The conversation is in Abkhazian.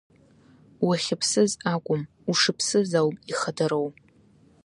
Уахьыԥсыз акәым, ушыԥсыз ауп ихадароу…